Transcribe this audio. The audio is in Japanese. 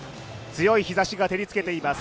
強い日ざしが照りつけています